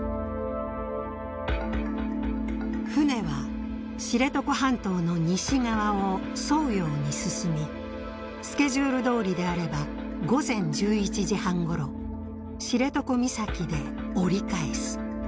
船は知床半島の西側を沿うように進みスケジュールどおりであれば午前１１時半ごろ知床岬で折り返す。